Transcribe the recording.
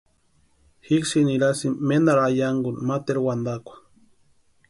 Jíksïni nirasïnka ménteru ayankuni máteru wantakwa.